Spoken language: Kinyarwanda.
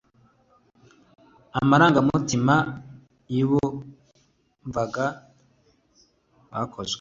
amarangamutima y abumvaga bakozweho